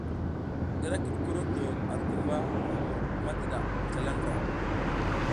I ra kiɗ koroto ar guva ngi mbur madiɗa ngi slala ndra.